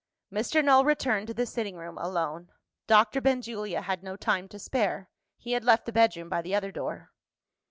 Mr. Null returned to the sitting room alone. Doctor Benjulia had no time to spare: he had left the bedroom by the other door.